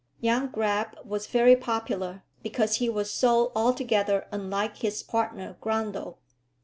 Young Grabbe was very popular, because he was so altogether unlike his partner Grundle.